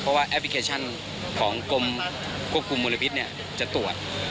เพราะว่าแอปพลิเคชันของกรมควบคุมมลพิษจะตรวจ